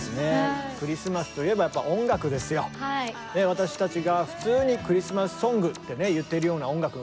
私たちが普通にクリスマスソングってね言っているような音楽でもですね